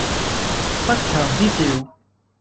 不祥之兆